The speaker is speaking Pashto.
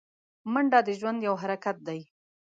منډه د ژوند یو حرکت دی